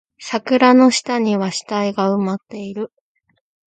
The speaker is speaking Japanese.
桜の下には死体が埋まっている